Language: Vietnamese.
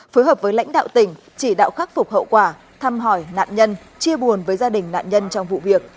phối hợp với lãnh đạo tỉnh chỉ đạo khắc phục hậu quả thăm hỏi nạn nhân chia buồn với gia đình nạn nhân trong vụ việc